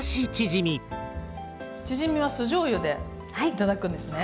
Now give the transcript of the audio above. チヂミは酢じょうゆで頂くんですね。